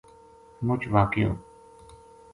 مُچ واقعو